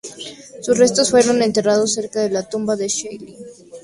Sus restos fueron enterrados cerca de la tumba de Shelley.